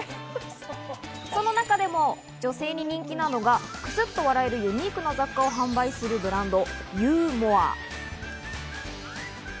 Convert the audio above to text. その中でも女性に人気なのがクスっと笑える、ユニークな雑貨を販売するブランド「ＹＯＵ＋ＭＯＲＥ！」。